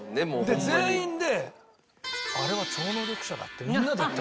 で全員で「あれは超能力者だ」ってみんなで言った。